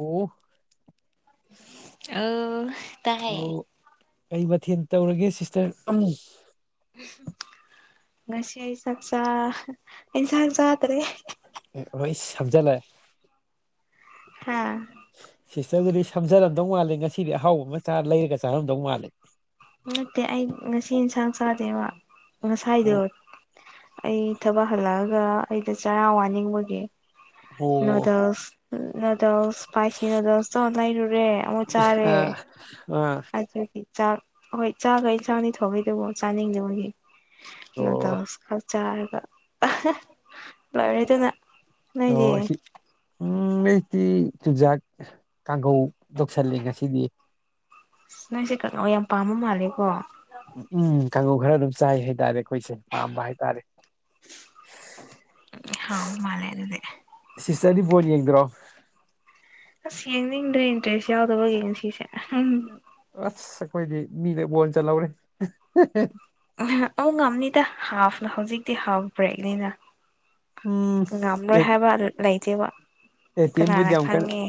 ꯑꯣ ꯑ ꯇꯥꯏꯌꯦ ꯑꯣ ꯀꯩ ꯃꯊꯦꯟ ꯇꯧꯔꯒꯦ ꯁꯤꯁꯇꯔ ꯉꯁꯤ ꯆꯥꯛꯆꯥ ꯏꯟꯁꯥꯡ ꯆꯥꯗ꯭ꯔꯦ [unintelligible] ꯍꯥ ꯁꯤꯁꯇꯔꯗꯨꯗꯤ ꯁꯝꯖꯔꯝꯗꯧ ꯃꯥꯜꯂꯦ ꯉꯁꯤꯗꯤ ꯑꯍꯥꯎꯕ ꯃꯥꯆꯥ ꯂꯩꯔꯒ ꯆꯥꯔꯝꯗꯧ ꯃꯥꯜꯂꯦ ꯅꯠꯇꯦ ꯑꯩ ꯉꯁꯤ ꯏꯟꯁꯥꯡ ꯆꯥꯗꯦꯕ ꯑꯣ ꯉꯁꯥꯏꯗꯣ ꯑꯩ ꯊꯕꯛ ꯍꯜꯂꯛꯑꯒ ꯑꯩꯗ ꯆꯔꯥ ꯋꯥꯅꯤꯡꯕꯒꯤ ꯑꯣ ꯅꯨꯗꯜꯁ ꯅꯨꯗꯜꯁ ꯏꯄꯥꯏꯁꯤ ꯅꯨꯗꯜꯁ ꯇꯣ ꯂꯩꯔꯨ ꯔꯦ ꯑꯃꯨꯛ ꯆꯥꯔꯦ ꯑꯥ ꯑꯥ [unintelligible] ꯍꯣꯏ [unintelligible] ꯆꯥꯅꯤꯡꯗꯕꯒꯤ ꯑꯣ ꯅꯨꯗꯜꯁ ꯈꯛ ꯆꯥꯔꯦ ꯂꯥꯏꯔꯦꯗꯅ ꯅꯣꯏꯗꯤ ꯑꯣ ꯁꯤ ꯎꯝ ꯑꯩꯇꯤ ꯆꯨꯖꯥꯛ ꯀꯥꯡꯒꯧ ꯇꯧꯁꯜꯂꯦ ꯉꯁꯤꯗꯤ ꯅꯪꯁꯦ ꯀꯥꯡꯉꯧ ꯌꯥꯝ ꯄꯥꯝꯕ ꯃꯥꯜꯂꯦꯀꯣ ꯎꯝ ꯀꯥꯡꯉꯧ ꯈꯔ ꯗꯨꯝ ꯆꯥꯏ ꯍꯥꯏꯇꯥꯔꯦ ꯈꯣꯏꯁꯦ ꯄꯥꯝꯕ ꯍꯥꯏꯇꯥꯔꯦ ꯍꯥꯎꯕ ꯃꯥꯜꯂꯦ ꯑꯗꯨꯗꯤ ꯁꯔꯤꯇ꯭ꯔ ꯗꯤ ꯕꯣꯜ ꯌꯦꯡꯗꯔꯣ ꯑ꯭ꯁ ꯌꯦꯡꯅꯤꯡꯗ꯭ꯔꯦ ꯏꯟꯇꯔꯦꯁ ꯌꯥꯎꯗꯕꯩ ꯅꯨꯡꯁꯤꯁꯦ ꯑꯁ ꯑꯩꯈꯣꯏꯗꯤ ꯃꯤꯅ ꯕꯣꯟ ꯆꯟꯍꯧꯔꯦ ꯑ ꯑꯧ ꯉꯝꯅꯤꯗ ꯍꯥꯐꯅ ꯍꯧꯖꯤꯛꯇꯤ ꯍꯥꯐ ꯕ꯭ꯔꯦꯛꯅꯤꯅ ꯎꯝ ꯉꯝꯔꯣꯏ ꯍꯥꯏꯕ ꯂꯩꯇꯦꯕ ꯑꯦ ꯇꯤꯝꯕꯨꯗꯤ ꯀꯅꯥꯅ ꯌꯥꯝ ꯀꯟ ꯈꯪꯉꯦ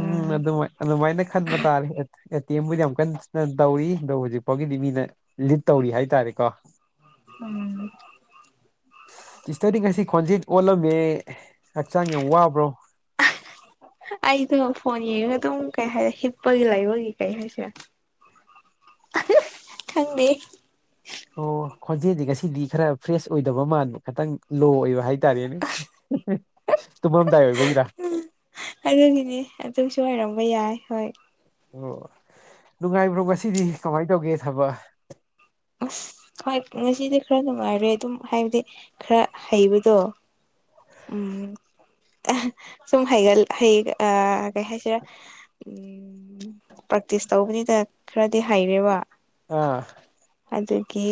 ꯎꯝ ꯑꯗꯨꯃꯥꯏ ꯑꯗꯨꯃꯥꯏꯅ ꯈꯟꯕ ꯇꯥꯔꯦ ꯑꯦ ꯇꯤ ꯑꯦꯇꯦꯝꯕꯨꯗꯤ ꯌꯥꯝ ꯀꯟꯅ ꯇꯧꯋꯤ ꯑꯗꯣ ꯍꯧꯖꯤꯛ ꯐꯥꯎꯒꯤꯗꯤ ꯃꯤꯅ ꯂꯤꯠ ꯇꯧꯔꯤ ꯍꯥꯏꯇꯥꯔꯦꯀꯣ ꯎꯝ ꯁꯤꯁꯇ꯭ꯔꯗꯤ ꯉꯁꯤ ꯈꯣꯟꯖꯦꯟ ꯑꯣꯜꯂꯝꯃꯦ ꯍꯛꯆꯥꯡ ꯌꯥꯝ ꯋꯥꯕ꯭ꯔꯣ ꯑꯩꯗꯣ ꯐꯣꯟ ꯌꯦꯡꯉꯒ ꯑꯗꯨꯝ ꯀꯩ ꯍꯥꯏꯔ ꯍꯤꯠꯄꯒꯤ ꯂꯩꯕꯒꯤ ꯀꯩ ꯍꯥꯏꯁꯦꯔꯥ ꯈꯪꯗꯦ ꯑꯣ ꯈꯣꯟꯖꯦꯟꯗꯤ ꯉꯁꯤꯗꯤ ꯈꯔ ꯐ꯭ꯔꯦꯁ ꯑꯣꯏꯗꯕ ꯃꯥꯟꯕ ꯈꯤꯇꯪ ꯂꯣ ꯑꯣꯏꯕ ꯍꯥꯏꯇꯥꯔꯦꯅꯦ [unintelligible] ꯇꯨꯝꯃꯝꯗꯥꯏ ꯑꯣꯏꯕꯒꯤꯔ ꯑꯗꯨꯒꯤꯅꯦ ꯑꯗꯨꯁꯨ ꯑꯣꯏꯔꯝꯕ ꯌꯥꯏ ꯍꯣꯏ ꯑꯣ ꯅꯨꯡꯉꯥꯏꯕ꯭ꯔꯣ ꯉꯁꯤꯗꯤ ꯀꯃꯥꯏ ꯇꯧꯒꯦ ꯊꯕꯛ ꯑꯁ ꯍꯣꯏ ꯉꯁꯤꯗꯤ ꯈꯔ ꯅꯨꯡꯉꯥꯏꯔꯦ ꯑꯗꯨꯝ ꯍꯥꯏꯕꯗꯤ ꯈꯔ ꯍꯩꯕꯗꯣ ꯎꯝ ꯑꯍꯥ ꯁꯨꯝ ꯍꯩꯒ ꯍ ꯑ ꯀꯩ ꯍꯥꯏꯁꯤꯔ ꯎꯝ ꯄ꯭ꯔꯦꯛꯇꯤꯁ ꯇꯧꯕꯅꯤꯗ ꯈꯔꯗꯤ ꯍꯩꯔꯦꯕ ꯑꯥ ꯑꯗꯨꯒꯤ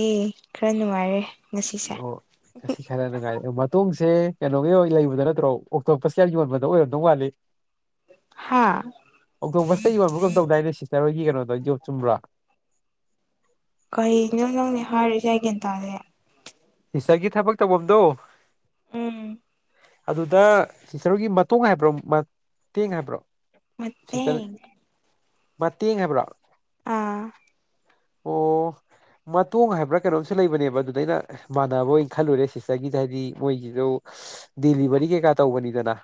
ꯈꯔ ꯅꯨꯡꯉꯥꯏꯔꯦ ꯉꯁꯤꯁꯦ ꯑꯣ ꯀꯁꯤ ꯈꯔꯅꯉ ꯇꯨꯡꯁꯦ ꯀꯩꯅꯣꯒꯤ ꯑꯣꯏ ꯂꯩꯕꯗ ꯅꯠꯇ꯭ꯔꯣ ꯑꯣꯛꯇꯣꯞꯄꯁ ꯌꯥꯝ ꯌꯣꯟꯕꯗ ꯑꯣꯏꯔꯝꯗꯧ ꯃꯥꯠꯂꯤ ꯍꯥꯥ ꯑꯗꯣꯁꯇꯩ ꯌꯣꯟꯕꯒꯝꯗꯧꯗꯥꯏꯅꯦ ꯁꯤꯁꯇꯔ ꯍꯣꯏꯒꯤ ꯀꯩꯅꯣꯗꯣ ꯌꯣ ꯆꯨꯝꯕ꯭ꯔꯥ ꯀꯩ ꯅꯣ ꯅꯪꯅꯦ ꯍꯥꯏꯔꯤꯁꯦ ꯑꯩꯒꯦꯟꯇꯥꯥꯁꯦ ꯏꯁꯒꯤ ꯊꯕꯛ ꯇꯧꯐꯝꯗꯣ ꯎꯝ ꯑꯗꯨꯗ ꯇꯤꯆꯔꯒꯤ ꯃꯇꯣꯡ ꯍꯥꯏꯕ꯭ꯔꯣ ꯃꯇꯦꯡ ꯍꯥꯏꯕ꯭ꯔꯣ ꯃꯦ ꯁꯤꯁꯇꯔ ꯃꯇꯦꯡ ꯍꯥꯏꯕ꯭ꯔꯣ ꯑꯥ ꯑꯣ ꯃꯇꯣꯡ ꯍꯥꯏꯕ꯭ꯔꯥ ꯀꯩꯅꯣꯝꯁꯨ ꯂꯩꯕꯅꯦꯕ ꯑꯗꯨꯗ ꯑꯩꯅ ꯃꯥꯟꯅꯕ ꯑꯣꯏꯅ ꯈꯜꯂꯨꯔꯦ ꯁꯤꯁꯇꯔꯒꯤꯁ ꯍꯥꯏꯗꯤ ꯃꯣꯏꯒꯤꯁꯨ ꯗꯦꯂꯤꯚꯔꯤ ꯀꯩꯀꯥ ꯇꯧꯕꯅꯤꯗꯅ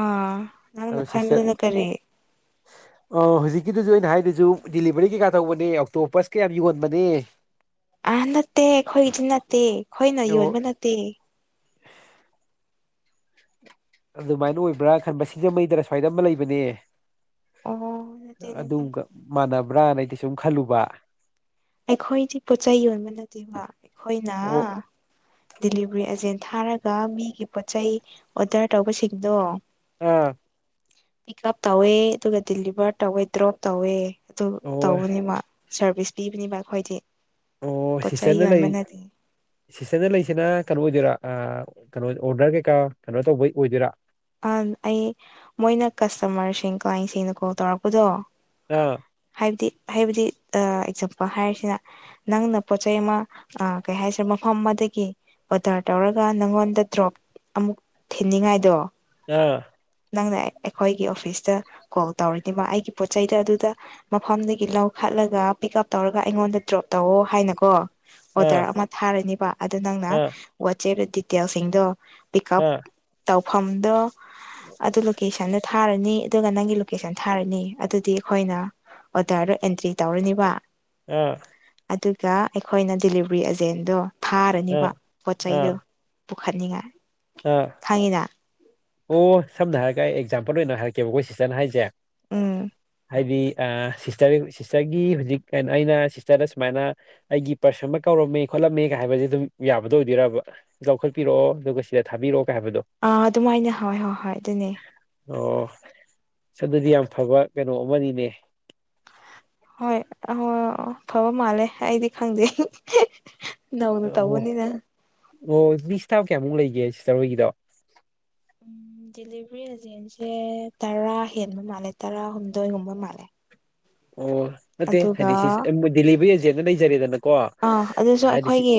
ꯑ ꯅ ꯅ ꯈꯥꯏ ꯀꯔꯤ ꯑꯣ ꯍꯧꯖꯤꯛꯀꯤꯗꯨꯖꯨ ꯑꯩꯅ ꯍꯥꯏꯗꯨꯖꯨ ꯗꯂꯤꯚꯔꯤ ꯀꯩ ꯀꯥ ꯇꯧꯕꯅꯦ ꯑꯣꯛꯇꯣꯄ ꯀꯌꯥꯝ ꯌꯣꯟꯕꯅꯦ ꯑꯥ ꯅꯠꯇꯦ ꯑꯩꯈꯣꯏꯗꯤ ꯅꯠꯇꯦ ꯑꯩꯈꯣꯏꯅ ꯑꯣ ꯌꯣꯟꯕ ꯅꯠꯇꯦ ꯑꯗꯨꯃꯥꯏꯅ ꯑꯣꯏꯕ꯭ꯔꯥ ꯈꯟꯕ ꯁꯤꯡꯖꯃꯩꯗꯔ ꯑꯁ꯭ꯋꯥꯏꯗ ꯑꯃ ꯂꯩꯕꯅꯦ ꯑꯣ ꯅꯠꯇꯦ ꯅꯠꯇꯦ ꯑꯗꯨꯝ ꯒ ꯃꯥꯟꯅꯕ꯭ꯔꯥꯅ ꯑꯩꯗꯤ ꯁꯨꯝ ꯈꯜꯂꯨꯕ ꯑꯩꯈꯣꯏꯗꯤ ꯄꯣꯠꯆꯩ ꯌꯣꯟꯕ ꯅꯠꯇꯦꯕ ꯑꯩꯈꯣꯏꯅ ꯑꯣ ꯗꯦꯂꯤꯚꯔꯤ ꯑꯦꯖꯦꯟ ꯊꯥꯔꯒ ꯃꯤꯒꯤ ꯄꯣꯠꯆꯩ ꯑꯣꯗꯔ ꯇꯧꯕꯁꯤꯡꯗꯣ ꯑꯥ ꯄꯤꯛ ꯎꯞ ꯇꯧꯋꯦ ꯑꯗꯨꯒ ꯗꯤꯂꯤꯚꯔ ꯇꯧꯋꯦ ꯗ꯭ꯔꯣꯞ ꯇꯧꯋꯦ ꯑꯗꯨ ꯑꯣ ꯇꯧꯕꯅꯤ ꯃꯥ ꯁꯥꯔꯚꯤꯁ ꯄꯤꯕꯅꯦꯕ ꯑꯩꯈꯣꯏꯗꯤ ꯑꯣ ꯄꯣꯠ ꯆꯩ ꯁꯤꯁꯇ꯭ꯔꯅ ꯂꯩ ꯌꯣꯟꯕ ꯅꯠꯇꯦ ꯁꯤꯁꯇꯗ ꯂꯩꯁꯤꯅ ꯀꯩꯅꯣ ꯑꯣꯏꯗꯣꯏꯔꯥ ꯀꯩꯅꯣ ꯑꯣꯔꯗꯔ ꯀꯩꯀꯥ ꯀꯩꯅꯣ ꯇꯧꯕꯩ ꯑꯣꯏꯗꯣꯏꯔꯥ ꯑ ꯑꯩ ꯃꯣꯏꯅ ꯀꯁꯇꯃꯔꯁꯤꯡ ꯀ꯭ꯂꯥꯏꯟꯁꯤꯡꯅ ꯀꯣꯜ ꯇꯧꯔꯛꯄꯗꯣ ꯑꯥ ꯍꯥꯏꯕꯗꯤ ꯍꯥꯏꯕꯗꯤ ꯑꯦꯛꯖꯝꯄꯜ ꯍꯥꯏꯔꯤꯁꯤꯅ ꯅꯪꯅ ꯄꯣꯠ ꯆꯩꯩ ꯑꯃ ꯀ ꯍꯥꯏꯁꯤ ꯁꯣꯝ ꯑꯃꯗꯒꯤ ꯑꯣꯗꯔ ꯇꯧꯔꯒ ꯅꯪꯉꯣꯟꯗ ꯗ꯭ꯔꯣꯞ ꯑꯃꯨꯛ ꯊꯤꯟꯅꯤꯡꯉꯥꯏꯗꯣ ꯑꯥ ꯅꯪꯅ ꯑꯩꯈꯣꯏꯒꯤ ꯑꯣꯐꯤꯁꯇ ꯀꯣꯜ ꯇꯧꯔꯤꯅꯤꯃ ꯑꯩꯒꯤ ꯄꯣꯠ ꯆꯩꯗ ꯑꯗꯨꯗ ꯃꯐꯝꯗꯒꯤ ꯂꯧ ꯆꯠꯂꯒ ꯄꯤꯛ ꯎꯞ ꯇꯧꯔꯒ ꯑꯩꯉꯣꯟꯗ ꯗ꯭ꯔꯣꯞ ꯇꯧꯑꯣ ꯍꯥꯏꯅꯀꯣ ꯑꯥ ꯑꯣꯗꯔ ꯑꯃ ꯊꯥꯔꯅꯤꯕ ꯑꯗꯨ ꯅꯪꯅ ꯑꯥ ꯋꯥꯆꯦꯞ ꯗꯤꯇꯦꯜꯁꯤꯡꯗꯣ ꯄꯤꯛ ꯎꯞ ꯑꯥ ꯇꯧꯐꯝꯗꯣ ꯑꯗꯨ ꯂꯣꯀꯦꯁꯟꯗ ꯊ ꯊꯥꯔꯅꯤ ꯑꯗꯨꯒ ꯅꯪꯒꯤ ꯂꯣꯀꯦꯁꯟ ꯊꯥꯔꯅꯤ ꯑꯗꯨꯗꯤ ꯑꯩꯈꯣꯏꯅ ꯑꯣꯗꯔꯗꯣ ꯑꯦꯟꯇ꯭ꯔꯤ ꯇꯧꯔꯅꯤꯕ ꯎꯝ ꯑꯗꯨꯒ ꯑꯩꯈꯣꯏꯅ ꯗꯤꯂꯤꯚꯔꯤ ꯑꯦꯖꯦꯟꯗꯣ ꯊꯥꯔꯅꯤꯕ ꯑꯥ ꯄꯣꯠ ꯑꯥ ꯆꯩꯩꯗꯣ ꯄꯨꯈꯠꯅꯤꯡꯉꯥꯏ ꯑꯥ ꯈꯪꯉꯤꯅ ꯑꯣ ꯁꯝꯅ ꯍꯥꯏꯔꯒ ꯑꯩ ꯑꯦꯛꯖꯥꯝꯄꯜ ꯑꯣꯏꯅ ꯍꯥꯏꯔꯛꯀꯦꯕ ꯑꯩꯈꯣꯏ ꯁꯤꯁꯇꯔꯅ ꯍꯥꯏꯁꯦ ꯎꯝ ꯍꯥꯏꯗꯤ ꯑ ꯁꯤꯁꯇꯔ ꯁꯤꯁꯇꯔꯒꯤ ꯍꯧꯖꯤꯛ ꯑꯩꯅ ꯁꯤꯁꯇꯔꯗ ꯁꯨꯃꯥꯏꯅ ꯑꯩꯒꯤ ꯄꯔꯁ ꯑꯃ ꯀꯧꯔ ꯄꯔꯣꯝꯃꯦ ꯈꯣꯠꯂꯝꯃꯦꯒ ꯍꯥꯏꯕꯁꯦ ꯑꯗꯨꯝ ꯌꯥꯕꯗꯣ ꯑꯣꯏꯗꯣꯏꯔꯕ ꯆꯥꯎꯈꯠꯄꯤꯔꯛꯑꯣ ꯑꯗꯨꯒ ꯁꯤꯗ ꯊꯥꯕꯤꯔꯛꯑꯣ ꯑꯥ ꯑꯗꯨꯃꯥꯏꯅ ꯍꯣꯏ ꯍꯣꯏ ꯍꯣꯏ ꯑꯗꯨꯅꯦ ꯑꯣ ꯑꯁ ꯑꯗꯨꯗꯤ ꯌꯥꯝ ꯐꯕ ꯀꯩꯅꯣ ꯑꯃꯅꯤꯅꯦ ꯍꯣꯏ ꯑꯣ ꯍꯣ ꯐꯕ ꯃꯥꯜꯂꯦ ꯑꯩꯗꯤ ꯈꯪꯗꯦ ꯅꯧꯅ ꯑꯣ ꯇꯧꯕꯅꯤꯅ ꯑꯣ ꯃꯤ ꯏꯁꯇꯞ ꯀꯌꯥꯃꯨꯛ ꯂꯩꯒꯦ ꯁꯤꯁꯇꯔ ꯍꯣꯏꯒꯤꯗꯣ ꯎꯝ ꯗꯦꯂꯤꯕꯔꯤ ꯑꯦꯖꯦꯟꯁꯦ ꯇꯔꯥ ꯍꯦꯟꯕ ꯃꯜꯂꯦ ꯇꯔꯥꯍꯨꯝꯗꯣꯏꯒꯨꯝꯕ ꯃꯜꯂꯦ ꯑꯣ ꯅꯠꯇꯦ ꯍꯥꯏꯗꯤ ꯁꯤ ꯗꯤꯂꯤꯚꯔꯤ ꯑꯦꯖꯦꯟꯗꯣ ꯂꯩꯖꯔꯦꯗꯅ ꯑꯥ ꯑꯗꯨꯁꯨ ꯑꯈꯣꯏꯒꯤ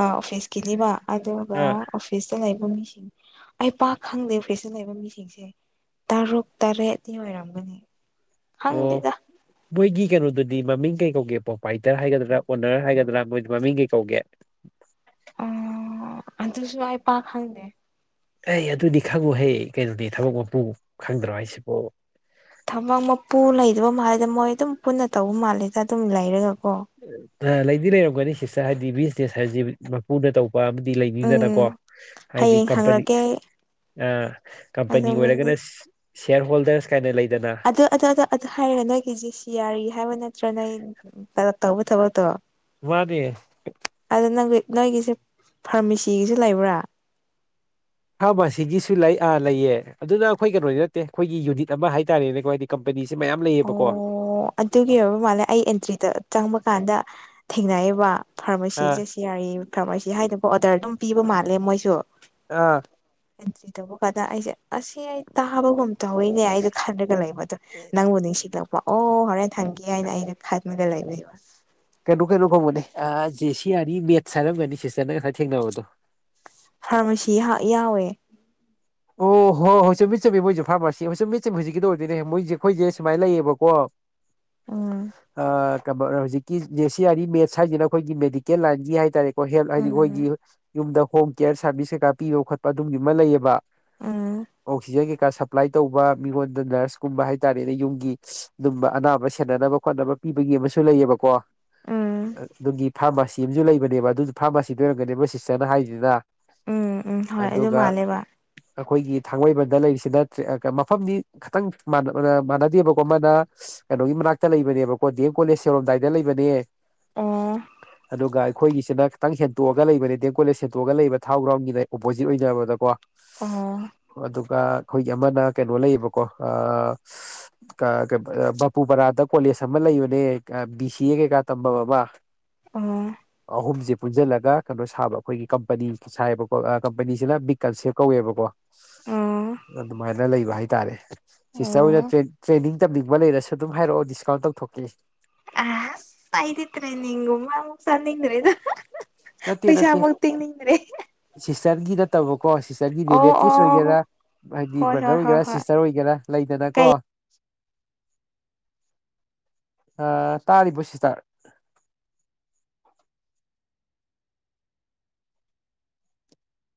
ꯑꯣꯐꯤꯁꯀꯤꯅꯦꯕ ꯑꯗꯨꯒ ꯑꯥ ꯑꯣꯐꯤꯁꯇ ꯂꯩꯕ ꯃꯤꯁꯤꯡ ꯑꯩ ꯄꯥꯛ ꯈꯪꯗꯦ ꯐ꯭ꯔꯦꯁꯇ ꯂꯩꯕ ꯃꯤꯁꯤꯡꯁꯦ ꯇꯔꯨꯛ ꯇꯔꯦꯠꯇꯤ ꯑꯣꯏꯔꯝꯒꯅꯤ ꯑꯣ ꯈꯪꯗꯦꯗ ꯃꯣꯏꯒꯤ ꯀꯩꯅꯣꯗꯗꯤ ꯃꯃꯤꯡ ꯀꯩ ꯒꯦ ꯄ꯭ꯔꯣꯄꯥꯏꯇꯔ ꯍꯥꯏꯒꯗ꯭ꯔ ꯑꯣꯅꯔ ꯍꯥꯏꯒꯗ꯭ꯔ ꯃꯣꯏ ꯃꯃꯤꯡ ꯀꯩ ꯀꯧꯒꯦ ꯑꯥ ꯑꯗꯨꯖꯨ ꯑꯩ ꯄꯛ ꯈꯪꯗꯦ ꯑꯦ ꯑꯗꯨꯗꯤ ꯈꯪꯉꯨꯍꯦ ꯀꯩꯅꯣꯗꯤ ꯊꯕꯛ ꯃꯄꯨ ꯈꯪꯗ꯭ꯔꯣ ꯍꯥꯏꯁꯤꯕꯨ ꯊꯕꯛ ꯃꯄꯨ ꯂꯩꯗꯕ ꯃꯥꯜꯂꯦꯗ ꯃꯣꯏ ꯑꯗꯨꯝ ꯄꯨꯟꯅ ꯇꯧꯕ ꯃꯥꯜꯂꯦꯗ ꯑꯗꯨꯝ ꯂꯩꯔꯒ ꯑꯥ ꯂꯩꯗꯤ ꯂꯩꯔꯝꯒꯅꯤ ꯁꯤꯁꯇꯔ ꯍꯥꯏꯗꯤ ꯕꯤꯖꯤꯅꯦꯁ ꯍꯥꯏꯖꯤ ꯃꯄꯨꯅ ꯇꯧ ꯑꯃꯗꯤ ꯎꯝ ꯂꯩꯅꯤꯗꯅꯀꯣ ꯍꯥꯏꯗꯤ ꯍꯌꯦꯡ ꯀꯝꯄꯅꯤ ꯍꯪꯔꯛꯀꯦ ꯑꯩ ꯑꯥ ꯑꯗꯣ ꯀꯝꯄꯅꯤ ꯃꯤꯡꯅ ꯑꯣꯏꯔꯒꯅ ꯁꯤꯌꯥꯔ ꯍꯣꯜꯗꯔꯁ ꯀꯥꯏꯅ ꯂꯩ ꯑꯗꯨ ꯑꯗꯨ ꯑꯗꯨ ꯍꯥꯏꯔꯒ ꯅꯣꯏꯒꯤ ꯖꯤ ꯁꯤꯌꯥꯔꯤ ꯍꯥꯏꯕ ꯅꯠꯇ꯭ꯔ ꯅꯣꯏ ꯄꯂꯞ ꯇꯧꯕ ꯊꯕꯛ ꯃꯅꯦ ꯑꯗꯣ ꯅꯪ ꯅꯣꯏꯒꯤꯁꯦ ꯐꯥꯔꯃꯤꯁꯤꯒꯤꯁꯨ ꯂꯩꯕ꯭ꯔ ꯐꯥꯔꯃꯁꯤꯒꯤꯁꯨ ꯂꯩ ꯑꯥ ꯂꯩꯌꯦ ꯑꯗꯨꯅ ꯑꯈꯣꯏ ꯀꯩꯅꯣꯗꯤ ꯅꯠꯇꯦ ꯑꯈꯣꯏꯒꯤ ꯌꯨꯅꯤꯠ ꯑꯃ ꯍꯥꯏꯇꯔꯦꯅꯦꯀꯣ ꯍꯥꯏꯗꯤ ꯀꯝꯄꯅꯤ ꯑꯣ ꯑꯗꯨꯒꯤ ꯑꯣꯏꯕ ꯃꯥꯜꯂꯦ ꯑꯩ ꯑꯦꯟꯇ꯭ꯔꯤꯗ ꯆꯪꯕ ꯀꯥꯟꯗ ꯊꯦꯡꯅꯩꯌꯦꯕ ꯐꯔꯃꯁꯤ ꯑ ꯖꯦꯁꯤ ꯌꯥꯔꯤ ꯐꯔꯃꯁꯤ ꯍꯥꯏꯅꯀꯣ ꯑꯣꯔꯗꯔ ꯑꯗꯨꯝ ꯄꯤꯕ ꯃꯥꯜꯂꯦ ꯃꯣꯏꯖꯨ ꯑ ꯑꯦꯟꯇ꯭ꯔꯤ ꯇꯧꯕ ꯀꯥꯟꯗ ꯑꯩꯖꯦ ꯑꯁꯤ ꯑꯩ ꯇꯕꯒꯨꯝ ꯇꯧꯋꯤꯅꯦ ꯑꯩꯗꯣ ꯈꯜꯔꯒ ꯂꯩꯕꯗꯣ ꯅꯪꯕꯨ ꯅꯤꯡꯁꯤꯡꯂꯛꯄ ꯑꯣ ꯍꯣꯔꯦꯟ ꯍꯪꯒꯦ ꯍꯥꯏꯅ ꯑꯩꯅ ꯈꯜꯂꯒ ꯂꯩꯕꯅꯦꯕ ꯀꯩꯅꯣ ꯀꯩꯅꯣ ꯀꯧꯕꯅꯦ ꯑꯥ ꯖꯦ ꯁꯤ ꯌꯥꯔꯤ ꯃꯦꯠꯁ ꯍꯥꯏꯔꯝꯒꯅꯤ ꯁꯤꯁꯇꯔꯅ ꯉꯁꯥꯏ ꯊꯦꯡꯅꯕꯗꯣ ꯐꯔꯃꯁꯤ ꯍꯥ ꯌꯥꯎꯋꯦ ꯑꯣ ꯍꯣꯏ ꯍꯣꯏ ꯆꯨꯝ ꯃꯤꯠ ꯆꯨꯝꯃꯤ ꯃꯣꯏꯁꯨ ꯑꯣ ꯑꯣ ꯑꯣꯍꯣ ꯍꯣ ꯆꯨꯝꯃꯤ ꯆꯨꯝꯃꯤ ꯃꯣꯏꯖꯦ ꯐꯔꯃꯥꯁꯤ ꯍꯣ ꯆꯨꯝꯃꯤ ꯆꯨꯝꯃꯤ ꯍꯧꯖꯤꯛꯀꯤꯗꯣ ꯑꯣꯏꯗꯣꯏꯅꯦ ꯃꯣꯏꯖꯦ ꯈꯣꯏꯖꯦ ꯁꯨꯃꯥꯏꯅ ꯂꯩꯌꯦꯕꯀꯣ ꯎꯝ ꯑꯥ ꯍꯧꯖꯤꯛꯀꯤ ꯖꯦꯁꯤꯌꯥꯔꯤ ꯃꯦꯠꯁ ꯍꯥꯏꯖꯤꯅ ꯈꯣꯏꯒꯤ ꯃꯦꯗꯤꯀꯦꯜ ꯂꯥꯏꯟꯒꯤ ꯍꯥꯏꯇꯔꯦꯀꯣ ꯍꯦꯜ ꯍꯥꯏꯗꯤ ꯈꯣꯏꯒꯤ ꯎꯝ ꯌꯨꯝꯗ ꯍꯣꯝ ꯀꯦꯌꯔ ꯁꯥꯔꯚꯤꯁ ꯀꯩꯀꯥ ꯄꯤꯕ ꯈꯣꯠꯄ ꯑꯗꯨꯝꯒꯤ ꯑꯃ ꯂꯩꯌꯦꯕ ꯎꯝ ꯑꯣꯛꯁꯤꯖꯦꯟ ꯀꯩ ꯁꯄ꯭ꯂꯥꯏ ꯇꯧꯕ ꯃꯤꯉꯣꯟꯗ ꯅꯔꯁꯀꯨꯝꯕ ꯍꯥꯏꯇꯔꯦꯅꯦ ꯌꯨꯝꯒꯤ ꯑꯗꯨꯝꯕ ꯑꯅꯥꯕ ꯁꯦꯟꯅꯅꯕ ꯈꯣꯠꯅꯕ ꯄꯤꯕꯒꯤ ꯑꯃꯁꯨ ꯂꯩꯌꯦꯕꯀꯣ ꯎꯝ ꯑꯗꯨꯒꯤ ꯐꯥꯔꯃꯁꯤ ꯑꯃꯖꯨ ꯂꯩꯕꯅꯦꯕ ꯑꯗꯨ ꯐꯔꯃꯁꯤꯗꯨ ꯑꯣꯏꯔꯝꯒꯅꯦꯕ ꯁꯤꯁꯇꯔꯅ ꯍꯥꯏꯖꯤꯅ ꯎꯝ ꯎꯝ ꯍꯣꯏ ꯑꯗꯨ ꯃꯥꯜꯂꯦꯕ ꯑꯈꯣꯏꯒꯤ ꯊꯡꯃꯩꯕꯟꯗ ꯂꯩꯔꯤꯁꯤꯅ ꯇꯔꯦ ꯃꯐꯝꯗꯤ ꯈꯤꯇꯪ ꯃ ꯃꯥꯟꯅꯗꯦꯕꯀꯣ ꯃꯥꯅ ꯀꯩꯅꯣꯒꯤ ꯃꯅꯥꯛꯇ ꯂꯩꯕꯅꯦꯕꯀꯣ ꯗꯤ ꯑꯦꯝ ꯀꯣꯂꯦꯖ ꯌꯧꯔꯝꯗꯏꯗ ꯂꯩꯕꯅꯦ ꯑꯣ ꯑꯗꯨꯒꯏ ꯈꯣꯏꯒꯤꯁꯤꯅ ꯈꯤꯇꯪ ꯍꯦꯟꯇꯣꯛꯑꯒ ꯂꯩꯕꯅꯦ ꯗꯦꯝ ꯀꯣꯂꯦꯖ ꯍꯦꯟꯇꯣꯛꯑꯒ ꯂꯩꯕ ꯊꯥꯎ ꯒ꯭ꯔꯥꯎꯟꯗꯒꯤꯅ ꯑꯣꯄꯣꯖꯤꯠ ꯑꯣꯏꯅꯕꯗꯀꯣ ꯑꯣ ꯑꯥ ꯈꯣꯏꯒꯤ ꯑꯃꯅ ꯀꯩꯅꯣ ꯂꯩꯌꯦꯕꯀꯣ ꯑꯥ ꯀꯥ ꯀꯥ ꯕꯕꯨꯄꯔꯗ ꯀꯣꯂꯦ ꯁ ꯑꯃ ꯂꯩꯕꯅꯦ ꯕꯤ ꯁꯤ ꯑꯦ ꯀꯩꯀꯥ ꯇꯝꯕꯝ ꯑꯃ ꯑꯣ ꯑꯍꯨꯝꯖꯦ ꯄꯨꯟꯖꯤꯜꯂꯒ ꯀꯩꯅꯣ ꯁꯥꯕ ꯑꯈꯣꯏꯒꯤ ꯀꯝꯄꯅꯤ ꯁꯏꯌꯦꯕꯀꯣ ꯀꯝꯄꯅꯤꯖꯤꯅ ꯃꯤꯛꯀꯟꯁꯦꯞ ꯀꯧꯋꯦꯕꯀꯣ ꯑꯣ ꯑꯗꯨꯃꯥꯏꯅ ꯂꯩꯕ ꯍꯥꯏꯇꯔꯦ ꯁꯤꯁꯇꯔ ꯍꯣꯏꯅ ꯑꯣ ꯇ꯭ꯔꯦꯟ ꯇ꯭ꯔꯦꯟꯅꯤꯡ ꯇꯝꯅꯤꯡꯕ ꯂꯩꯔꯁꯨ ꯑꯗꯨꯝ ꯍꯥꯏꯔꯑꯣ ꯗꯤꯁꯀꯥꯎꯟ ꯇꯧꯊꯣꯛꯀꯦ [unintelligible] ꯑꯩꯗꯤ ꯇ꯭ꯔꯦꯅꯤꯡꯒꯨꯝꯕ ꯆꯠꯅꯤꯡꯗ꯭ꯔꯦꯗ ꯅꯠꯇꯦ ꯅꯠꯇꯦ ꯄꯩꯁꯥꯕꯣꯛ ꯇꯤꯡꯅꯤꯡꯗ꯭ꯔꯦ ꯁꯤꯁꯇꯔꯒꯤ ꯅꯠꯇꯕꯀꯣ ꯁꯤꯁꯇꯔꯒꯤ ꯑꯣ ꯔꯤꯂꯦꯇꯤꯞꯁ ꯑꯣ ꯑꯣꯏꯒꯦꯔ ꯍꯥꯏꯗꯤ ꯍꯣꯏ ꯕ꯭ꯔꯗꯔ ꯍꯣꯏ ꯍꯣꯏ ꯑꯣꯏꯒꯦꯔ ꯍꯣꯏ ꯁꯤꯁꯇꯔ ꯑꯣꯏꯒꯦꯔ ꯂꯩꯗꯅꯀꯣ ꯀꯩ ꯑ ꯇꯥꯔꯤꯕꫭ ꯁꯤꯁꯇꯔ [inaudible]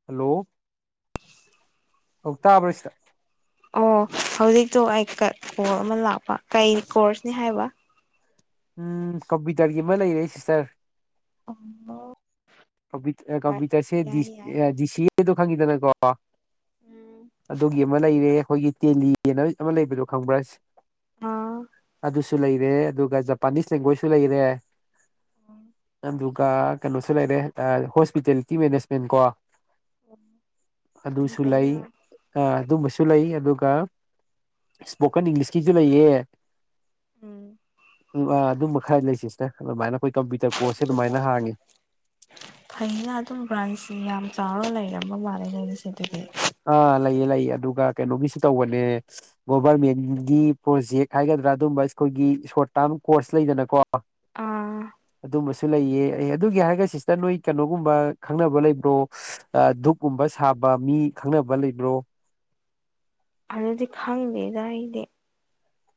ꯍꯂꯣ ꯑꯧ ꯇꯥꯕ꯭ꯔ [unintelligible] ꯑꯣ ꯍꯧꯖꯤꯛꯇꯣ ꯑꯩ ꯀ ꯀꫭꯜ ꯑꯃ ꯂꯥꯛꯄ ꯀꯩ ꯀꯣꯔꯁꯅꯤ ꯍꯥꯏꯕ ꯎꯝ ꯀꯝꯄ꯭ꯌꯨꯇꯔꯒꯤ ꯑꯃ ꯂꯩꯔꯦ ꯁꯤꯁꯇꯔ ꯑꯃ [unintelligible] ꯀꯝꯄ꯭ꯌꯨꯇꯔꯁꯦ ꯗꯤ ꯌꯥꯏ ꯁꯤ ꯑꯦꯗꯣ ꯈꯡꯉꯤꯗꯅꯀꫭ ꯎꯝ ꯑꯗꯨꯒꯤ ꯑꯃ ꯂꯩꯔꯦ ꯑꯩꯈꯣꯏꯒꯤ ꯇꯦꯂꯤꯅ ꯑꯃ ꯂꯩꯕꯗꯣ ꯈꯪꯕ꯭ꯔ ꯑꯥ ꯑꯗꯨꯁꯨ ꯂꯩꯔꯦ ꯑꯗꯨꯒ ꯖꯄꯥꯅꯤꯁ ꯂꯦꯡꯒꫭꯏꯁꯨ ꯂꯩꯔꯦ ꯑꯗꯨꯒ ꯀꯩꯅꯣꯁꯨ ꯂꯩꯔꯦ ꯍꯣꯁꯄꯤꯇꯦꯂꯤꯇꯤ ꯃꯦꯅꯦꯁꯃꯦꯟ ꯀꯣ ꯌꯥꯝ ꯑꯗꯨꯁꯨ ꯂꯩ ꯐꯩꯅ ꯑ ꯑꯗꯨꯃꯁꯨ ꯂꯩ ꯑꯗꯨꯒ ꯏꯁꯄꯣꯀꯟ ꯏꯪꯂꯤꯁꯀꯤꯖꯨ ꯂꯩꯌꯦ ꯎꯝ [unintelligible] ꯑꯗꯨꯝꯕ ꯈꯔ ꯂꯩ ꯁꯤꯁꯇꯔ ꯑꯗꯨꯝꯃꯥꯏꯅ ꯐꯩꯅ ꯑꯗꯨꯝ ꯕ꯭ꯔꯥꯟꯁꯤ ꯌꯥꯝ ꯆꯥꯎꯔ ꯂꯩ ꯑ ꯂꯩꯌꯦ ꯂꯩꯌꯦ ꯑꯗꯨꯒ ꯀꯩꯅꯣꯒꯤꯁꯨ ꯇꯧꯕꯅꯦ ꯒꯣꯕꯔꯃꯦꯟꯒꯤ ꯄ꯭ꯔꯣꯖꯦꯛ ꯍꯥꯏꯒꯗ꯭ꯔ ꯑꯗꯨꯝꯕ ꯁ꯭ꯀꯨꯜꯒꯤ ꯁꯣꯔꯠ ꯇꯥꯝ ꯀꯣꯔꯁ ꯂꯩꯗꯅꯀꯣ ꯑꯥ ꯑꯗꯨꯝꯃꯁꯨ ꯂꯩꯌꯦ ꯑꯦ ꯑꯗꯨꯒꯤ ꯍꯥꯏꯔꯒ ꯁꯤꯁꯇꯔ ꯅꯣꯏ ꯀꯩꯅꯣꯒꯨꯝꯕ ꯈꯪꯅꯕ ꯂꯩꯕ꯭ꯔꯣ ꯙꯨꯛꯀꯨꯝꯕ ꯁꯥꯕ ꯃꯤ ꯈꯪꯅꯕ ꯂꯩꯕ꯭ꯔꯣ ꯑꯗꯨꯗꯤ ꯈꯪꯗꯦꯗ ꯑꯩꯗꯤ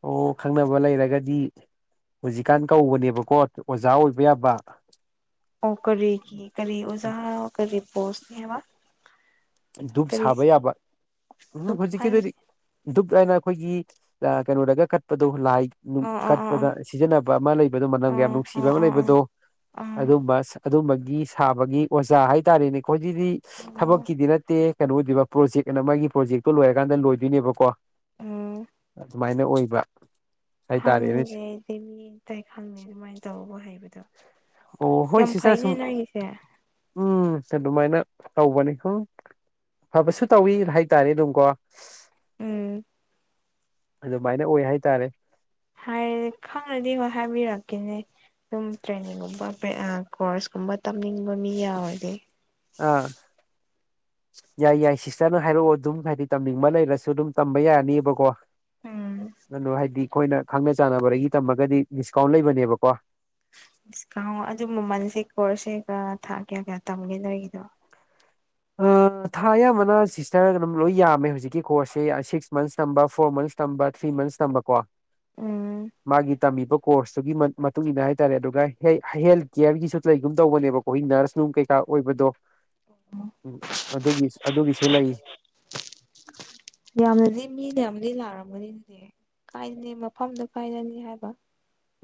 ꯑꯣ ꯈꯪꯅꯕ ꯂꯩꯔꯒꯗꯤ ꯍꯧꯖꯤꯛꯀꯥꯟ ꯀꯧꯕꯅꯦꯕꯀꯣ ꯑꯣꯖꯥ ꯑꯣꯏꯕ ꯌꯥꯕ ꯑꯣ ꯀꯔꯤꯒꯤ ꯀꯔꯤ ꯑꯣꯖꯥ ꯀꯔꯤ ꯄꯣꯁꯅꯤ ꯍꯥꯏꯕ ꯙꯨꯛ ꯁꯥꯕ ꯀꯔꯤꯁꯦ ꯌꯥꯕ ꯑꯗꯨ [unintelligible] ꯍꯧꯖꯤꯛꯀꯤꯗꯗꯤ ꯍꯥꯏꯕꯁꯦ ꯙꯨꯞ ꯍꯥꯏꯅ ꯑꯈꯣꯏꯒꯤ ꯀꯩꯅꯣꯗꯒ ꯀꯠꯄꯗꯣ ꯂꯥꯏ ꯑꯣ ꯑꯣ ꯑꯣ ꯀꯠꯄꯗ ꯁꯤꯖꯤꯟꯅꯕ ꯑꯃ ꯂꯩꯕꯗꯣ ꯃꯅꯝꯒ ꯌꯥꯝ ꯑꯣ ꯅꯨꯡꯁꯤꯕ ꯑꯣ ꯑꯃ ꯑꯣ ꯑꯣ ꯂꯩꯕꯗꯣ ꯑꯗꯨꯝꯕ ꯑꯗꯨꯝꯕꯒꯤ ꯁꯥꯕꯒꯤ ꯑꯣꯖꯥ ꯍꯥꯏꯇꯥꯔꯦꯅꯦ ꯈꯣꯏꯖꯤꯗꯤ ꯑꯣ ꯑꯣ ꯊꯕꯛꯀꯤꯗꯤ ꯅꯠ ꯇꯦ‌ ꯀꯩꯅꯣ ꯑꯣꯏꯗꫭꯏꯕ ꯄ꯭ꯔꯣꯖꯦꯛꯅ ꯃꯥꯒꯤ ꯄ꯭ꯔꯣꯖꯦꯛꯇꯣ ꯂꯣꯏꯔꯀꯥꯟꯗ ꯂꯣꯏꯗꯣꯏꯅꯦꯕꯀꯣ ꯎꯝ ꯑꯗꯨꯝꯃꯥꯏꯅ ꯑꯣꯏꯕ ꯍꯥꯏꯇꯥꯔꯦꯅꯦ ꯈꯪꯗꯦ [unintelligible] ꯑꯗꯨꯝꯃꯥꯏꯅ ꯇꯧꯕ ꯍꯩꯕꯗꯣ ꯑꯣ ꯍꯣꯏ ꯌꯥꯝ ꯁꯤꯁꯇꯔ ꯐꯩꯅꯦ ꯁꯨꯝ ꯅꯣꯏꯒꯤꯁꯦ ꯎꯝ ꯑꯗꯨꯃꯥꯏꯅ ꯇꯧꯕꯅꯤ [unintelligible] ꯐꯕꯁꯨ ꯇꯧꯋꯤ ꯍꯥꯏꯇꯥꯔꯦ ꯑꯗꯨꯝꯀꯣ ꯎꯝ ꯑꯗꯨꯝꯃꯥꯏꯅ ꯑꯣꯏ ꯍꯥꯏꯇꯥꯔꯦ ꯍꯥꯏꯔꯗꯤ ꯈꯪꯉꯗꯤ ꯍꯣꯏ ꯍꯥꯏꯕꯤꯔꯛꯀꯦꯅꯦ ꯑꯗꯨꯝ ꯇ꯭ꯔꯦꯅꯤꯡꯒꯨꯝꯕ [unintelligible] ꯀꯣꯔꯁ ꯀꯨꯝꯕ ꯇꯝꯅꯤꯡꯕ ꯃꯤ ꯌꯥꯎꯔꯗꯤ ꯑ ꯌꯥꯏ ꯌꯥꯏ ꯁꯤꯁꯇꯔꯅ ꯍꯥꯏꯔꯛꯑꯣ ꯑꯗꯨꯝ ꯍꯥꯏꯗꯤ ꯇꯝꯅꯤꯡꯕ ꯂꯩꯔꯁꯨ ꯑꯗꯨꯝ ꯇꯝꯕ ꯌꯥꯅꯤꯕꯀꯣ ꯎꯝ ꯑꯗꯣ ꯍꯥꯏꯗꯤ ꯑꯩꯈꯣꯏꯅ ꯈꯪꯅ ꯆꯥꯟꯅꯕꯗꯒꯤ ꯇꯝꯃꯒꯗꯤ ꯗꯤꯁꯀꯥꯎꯟ ꯂꯩꯕꯅꯦꯕꯀꯣ ꯗꯤꯁꯀꯥꯎꯟ ꯑꯗꯨ ꯃꯃꯜꯁꯦ ꯀꯣꯔꯁꯁꯦ ꯀ ꯊꯥ ꯀꯌꯥ ꯀꯌꯥ ꯇꯝꯒꯦ ꯅꯣꯏꯒꯤꯗꯣ ꯊꯥ ꯑꯌꯥꯝꯕꯅ ꯁꯤꯁꯇꯔꯅꯜ ꯑꯗꯨꯝ ꯂꯣꯏ ꯌꯥꯝꯃꯦ ꯍꯧꯖꯤꯛꯀꯤ ꯀꯣꯔꯁꯁꯦ ꯁꯤꯛꯁ ꯃꯟꯁ ꯇꯝꯕ ꯐꯣꯔ ꯃꯟꯁ ꯊ꯭ꯔꯤ ꯃꯟ ꯇꯝꯕ ꯀꯣ ꯎꯝ ꯃꯥꯒꯤ ꯇꯝꯃꯤꯕ ꯀꯣꯔꯁꯇꯨꯒꯤ ꯃꯇꯨꯡ ꯏꯟꯅ ꯍꯥꯏꯇꯥꯔꯦ ꯑꯗꯨꯒ ꯍꯦꯜꯊ ꯀꯤꯌꯔꯒꯤꯁꯨ ꯇꯧꯒꯨꯝ ꯇꯧꯕꯅꯦꯕꯀꯣ ꯈꯣꯏ ꯅꯔꯁ ꯅꯨꯡ ꯀꯩꯀꯥ ꯑꯣꯏꯕꯗꯣ ꯑꯣ ꯎꯝ ꯑꯗꯨꯒꯤ ꯑꯗꯨꯒꯤꯁꯨ ꯂꯩ ꯌꯥꯝꯅꯗꯤ ꯃꯤ ꯃꯌꯥꯝꯗꯤ ꯂꯥꯛꯔꯝꯃꯅꯤꯅꯦ ꯀꯥꯢꯗꯅꯤ ꯃꯐꯝꯗꯣ ꯀꯥꯢ ꯂꯩꯔꯤ ꯍꯥꯢꯕ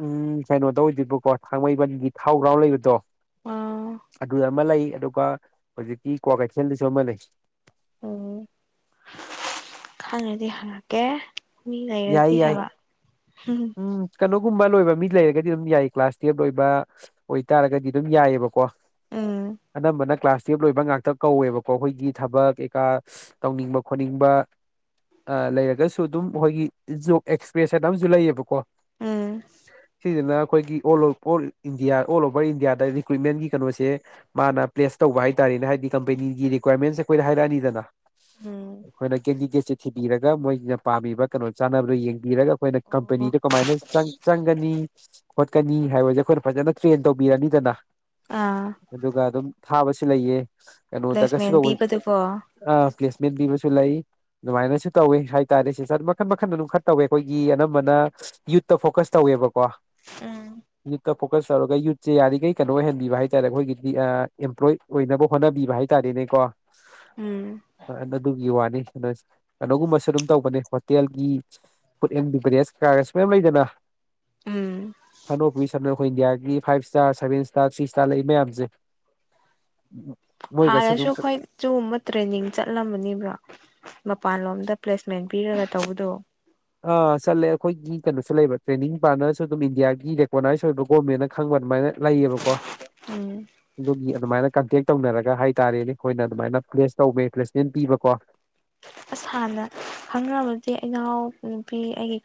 ꯎꯝ ꯀꯩꯅꯣ ꯇꯧ ꯑꯣꯏꯗꯣꯏꯕꯀꯣ ꯊꯥꯡꯃꯩꯕꯟꯒꯤ ꯊꯥꯎ ꯒ꯭ꯔꯥꯎꯟ ꯂꯩꯕꯗꯣ ꯑꯥ ꯑꯗꯨ ꯑꯃ ꯂꯩ ꯑꯗꯨꯒ ꯍꯧꯖꯤꯛꯀꯤ ꯀ꯭ꯋꯥ ꯀꯩꯊꯦꯜꯗꯁꯨ ꯑꯃ ꯂꯩ ꯎꯝ ꯈꯪꯉꯗꯤ ꯍꯪꯉꯛꯀꯦ ꯃꯤ ꯌꯥꯏ ꯂꯩꯔꯗꯤ ꯍꯥꯏꯕ ꯎꯝ ꯑꯗꯨꯒꯨꯝꯕ ꯂꯣꯏꯕ ꯃꯤ ꯂꯩꯔꯒꯗꯤ ꯑꯗꯨꯝ ꯌꯥꯏ ꯀ꯭ꯂꯥꯁ ꯇꯨꯋꯦꯞ ꯂꯣꯏꯕ ꯑꯣꯏꯇꯥꯔꯒꯗꯤ ꯗꯨꯝ ꯌꯥꯏꯌꯦꯕꯀꯣ ꯎꯝ ꯑꯅꯝꯕꯅ ꯀ꯭ꯂꯥꯁ ꯇꯨꯋꯦꯞ ꯂꯣꯏꯕ ꯉꯥꯛꯇ ꯀꯧꯋꯦꯕꯀꯣ ꯑꯩꯈꯣꯏꯒꯤ ꯊꯕꯛ ꯀꯩꯀꯥ ꯇꯧꯅꯤꯡꯕ ꯈꯣꯠꯅꯤꯡꯕ ꯑ ꯂꯩꯔꯒꯁꯨ ꯑꯗꯨꯝ ꯑꯩꯈꯣꯏꯒꯤ ꯖꯣꯞ ꯑꯦꯛꯁꯄ꯭ꯔꯦꯁ ꯍꯥꯏꯅ ꯑꯃꯁꯨ ꯂꯩꯌꯦꯕꯀꯣ ꯎꯝ ꯁꯤꯁꯤꯅ ꯑꯩꯈꯣꯏꯒꯤ ꯑꯣꯜ ꯏꯟꯗꯤꯌꯥ ꯑꯣꯜ ꯑꯣꯕꯔ ꯏꯟꯗꯤꯌꯥꯗ ꯔꯤꯀ꯭ꯋꯏꯤꯠꯃꯦꯟꯒꯤ ꯀꯩꯅꯣꯁꯦ ꯃꯥꯅ ꯄ꯭ꯂꯦꯁ ꯇꯧꯕ ꯍꯥꯏꯇꯥꯔꯦ ꯀ ꯍꯥꯏꯗꯤ ꯀꯝꯄꯅꯤꯒꯤ ꯔꯤꯀ꯭ꯋꯥꯏꯔꯃꯦꯟꯁꯦ ꯈꯣꯏꯗ ꯍꯥꯏꯔꯛ ꯑꯅꯤꯗꯅ ꯎꯝ ꯑꯩꯈꯣꯏꯅ ꯀꯦꯟꯗꯤꯒꯦꯠꯁꯦ ꯊꯤꯕꯤꯔꯒ ꯃꯣꯏꯁꯤꯅ ꯄꯥꯝꯃꯤꯕ ꯀꯩꯅꯣ ꯆꯥꯅꯕꯗꯨ ꯌꯦꯡꯕꯤꯔꯒ ꯑꯩꯈꯣꯏꯅ ꯑꯣ ꯀꯝꯄꯅꯤꯗ ꯀꯃꯥꯏꯅ ꯆꯪꯒꯅꯤ ꯈꯣꯠꯀꯅꯤ ꯍꯥꯏꯕꯁꯦ ꯑꯩꯈꯣꯏꯅ ꯐꯖꯅ ꯇ꯭ꯔꯦꯟ ꯇꯧꯕꯤꯔꯅꯤꯗꯅ ꯑꯥ ꯑꯗꯨꯒ ꯑꯗꯨꯝ ꯊꯥꯕꯁꯨ ꯂꯩꯌꯦ ꯀꯩꯅꯣꯗ ꯀꯁꯨ ꯄ꯭ꯂꯦꯁꯃꯦꯟ ꯇꯧꯕ ꯄꯤꯕꯗꯨꯀꯣ ꯑ ꯄ꯭ꯂꯦꯁꯃꯦꯟ ꯄꯤꯕꯁꯨ ꯂꯩ ꯑꯗꯨꯃꯥꯏꯅꯁꯨ ꯇꯧꯋꯤ ꯍꯥꯏꯇꯥꯔꯦ ꯁꯤꯁꯇꯔ ꯃꯈꯟ ꯃꯈꯜ ꯑꯗꯨꯝ ꯈꯔ ꯇꯧꯋꯦ ꯈꯣꯏꯒꯤ ꯑꯅꯝꯕꯅ ꯌꯨꯠꯇ ꯐꯣꯀꯁ ꯇꯧꯋꯦꯕ ꯎꯝ [unintelligible] ꯐꯣꯀꯁ ꯇꯧꯔꯒ ꯌꯨꯠꯁꯦ ꯌꯥꯔꯤꯈꯩ ꯀꯩꯅꯣ ꯑꯣꯏꯍꯟꯕꯤꯕ ꯍꯥꯏꯇꯥꯥꯔꯦ ꯑꯩꯈꯣꯏꯒꯤꯗꯤ ꯑꯦꯝꯄ꯭ꯂꯣꯏ ꯑꯣꯏꯅꯕ ꯍꯣꯠꯅꯕꯤꯕ ꯍꯥꯏꯇꯥꯥꯔꯦꯅꯦꯀꯣ ꯎꯝ ꯑꯗꯨꯒꯤ ꯋꯥꯅꯤ ꯀꯅꯣꯒꯨꯝꯕꯁꯨ ꯑꯗꯨꯝ ꯇꯧꯕꯅꯦ ꯍꯣꯇꯦꯜꯒꯤ ꯐꯨꯗ ꯑꯦꯟ ꯚꯔꯦꯁ ꯀ ꯃꯌꯥꯝ ꯂꯩꯗꯅ ꯎꯝ [unintelligible] ꯑꯩꯈꯣꯏ ꯏꯟꯗꯤꯌꯥꯒꯤ five star seven star three star ꯂꯩ ꯃꯌꯥꯝꯁꯦ ꯃꯣꯏꯒꯁꯨ ꯑꯗꯨꯝ ꯍꯥꯟꯅꯁꯨ ꯈꯣꯏ ꯆꯨꯕ ꯇ꯭ꯔꯦꯟꯅꯤꯡ ꯆꯠꯂꯝꯕꯅꯤꯕ ꯃꯄꯥꯟꯂꯣꯝꯗ ꯄ꯭ꯂꯦꯁꯃꯦꯟ ꯄꯤꯔꯒ ꯇꯧꯕꯗꯣ ꯑ ꯆꯠꯂꯦ ꯑꯩꯈꯣꯏꯒꯤ ꯀꯩꯅꯣꯁꯨ ꯂꯩꯕ ꯇ꯭ꯔꯦꯅꯤꯡ ꯄꯥꯠꯅꯔꯁꯨ ꯑꯗꯨꯝ ꯏꯟꯗꯤꯌꯥꯒꯤ ꯔꯦꯀꯣꯅꯥꯏꯁ ꯑꯣꯏꯕ ꯒꯣꯔꯃꯦꯟꯅ ꯈꯪꯕ ꯑꯗꯨꯃꯥꯏꯅ ꯂꯩꯌꯦꯕꯀꯣ ꯎꯝ ꯑꯗꯨꯒꯤ ꯑꯗꯨꯃꯥꯏꯅ ꯀꯟꯇꯦꯛ ꯇꯧꯅꯔꯒ ꯍꯥꯏꯇꯥꯔꯦꯅꯦ ꯈꯣꯏꯅ ꯑꯗꯨꯃꯥꯏꯅ ꯄ꯭ꯂꯦꯁ ꯇꯧꯕꯋ ꯄ꯭ꯂꯦꯁꯃꯦꯟ ꯄꯤꯕꯀꯣ ꯑꯁ ꯍꯥꯟꯅ ꯈꯪꯅꯔꯕꯗꯤ ꯏꯅꯥꯎ ꯅꯨꯄꯤ ꯑꯩꯒꯤ